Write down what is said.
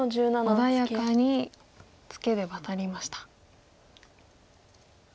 穏やかにツケでワタりました。